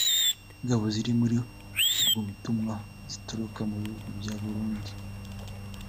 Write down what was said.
Ingabo ziri muri ubwo butumwa zituruka mu bihugu bya Burundi